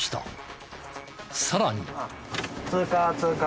さらに。